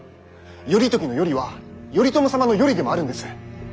頼時の「頼」は頼朝様の「頼」でもあるんです。